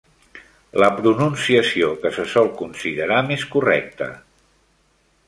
La pronunciació que se sol considerar més correcta.